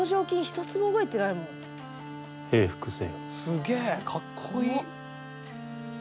すげえかっこいい！